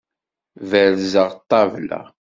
Berzeɣ ṭṭabla.